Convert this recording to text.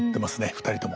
２人とも。